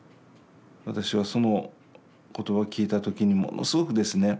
私はその言葉を聞いた時にものすごくですね